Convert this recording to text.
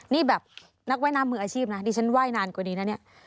นี่แบบนักไหว้น้ำมืออาชีพนะนี่ฉันไหว้นานกว่านี้นะ